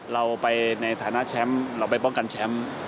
เราไปในฐานะแชมป์เราไปป้องกันแชมป์